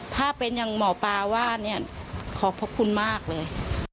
ถ้าเป็นอย่างหมอปลาว่าเนี่ยขอบพระคุณมากเลย